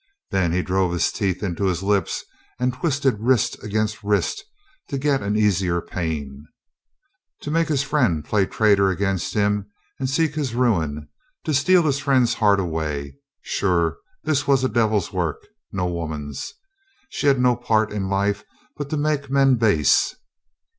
Then he drove his teeth into his lip and twisted wrist against wrist to get an easier pain. To make his friend play traitor against him and seek his ruin, to steal his friend's heart away, sure this was a devil's work, no woman's. She had no part in life but to make men base.